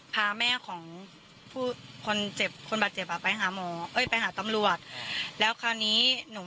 พาแม่ของผู้คนเจ็บคนบาดเจ็บอ่ะไปหาหมอเอ้ยไปหาตำรวจแล้วคราวนี้หนู